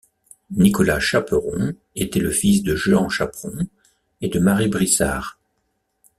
Nicolas Chaperon était le fils de Jehan Chapron et de Marie Brissard.